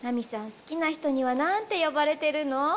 好きな人にはなんて呼ばれてるの？